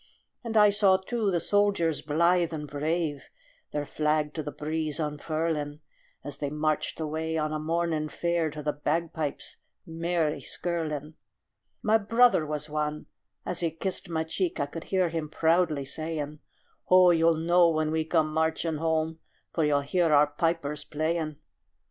And I saw, too, the soldiers blithe and brave Their flag to the breeze unfurling, As they marched away on a morning fair To the bagpipes' merry skirling. My brother was one. As he kissed my cheek, I could hear him proudly saying: "Ho! you'll know when we come marching home, For you'll hear our pipers playing."